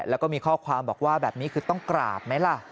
แล้วก็มีข้อความบอกว่าแบบนี้คือต้องกราบไหมล่ะ